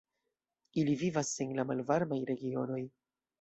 Ili vivas en la malvarmaj regionoj.